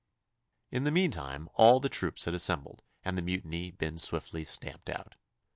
In the meantime all the troops had assembled and the mutiny been swiftly stamped out.